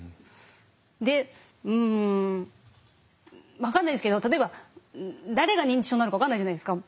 でうん分かんないですけど例えば誰が認知症になるか分かんないじゃないですか。